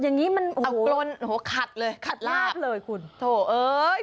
คุณออกกรนถึงคลัดลาบเลย